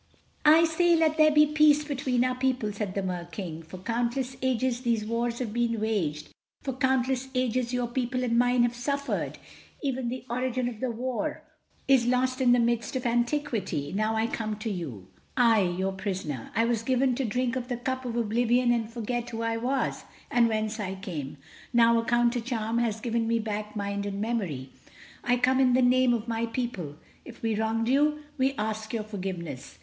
"I say—Let there be peace between our people," said the Mer King. "For countless ages these wars have been waged, for countless ages your people and mine have suffered. Even the origin of the war is lost in the mists of antiquity. Now I come to you, I, your prisoner—I was given to drink of the cup of oblivion and forgot who I was and whence I came. Now a counter charm has given me back mind and memory. I come in the name of my people. If we have wronged you, we ask your forgiveness.